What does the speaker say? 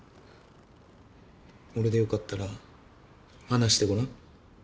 俺で良かったら話してごらん。